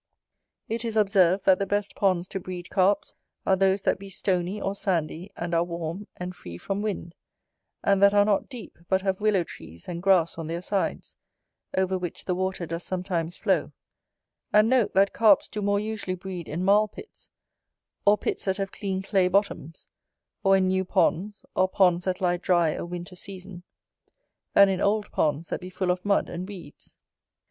It is observed that the best ponds to breed Carps are those that be stony or sandy, and are warm, and free from wind; and that are not deep, but have willow trees and grass on their sides, over which the water does sometimes flow: and note, that Carps do more usually breed in marle pits, or pits that have clean clay bottoms; or in new ponds, or ponds that lie dry a winter season, than in old ponds that be full of mud and weeds.